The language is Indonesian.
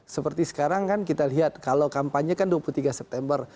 seperti sekarang kan kita lihat kalau kampanye kan dua puluh tiga september